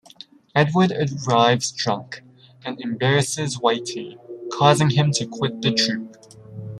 Edward arrives drunk and embarrasses Whitey, causing him to quit the troop.